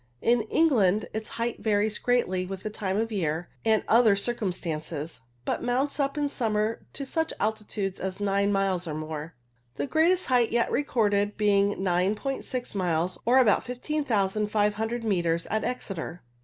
In England its height varies greatly with the time of year, and other circum stances, but mounts up in summer to such altitudes as nine miles or more ; the greatest height yet recorded being 9"6 miles, or about 15,500 metres, at Exeter.